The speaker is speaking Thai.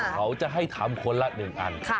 เขาจะให้ทำคนละหนึ่งอัน